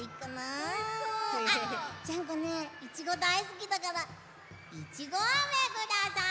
あジャンコねいちごだいすきだからいちごあめください！